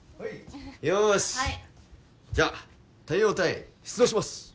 よしじゃあ太陽隊出動します！